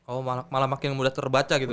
oh malah makin mudah terbaca gitu